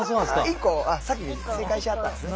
１個あっ先に正解しはったんですね。